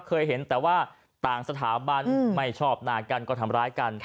เคยเห็นแต่ว่าต่างสถาบันไม่ชอบหน้ากันก็ทำร้ายกัน